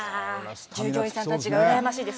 従業員さんたちが羨ましいです。